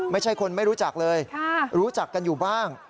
ไม่ใช่คนไม่รู้จักเลยรู้จักกันอยู่บ้าง